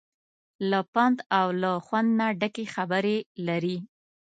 له پند او له خوند نه ډکې خبرې لري.